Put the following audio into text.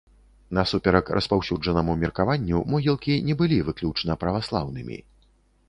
Насуперак распаўсюджанаму меркаванню, могілкі не былі выключна праваслаўнымі.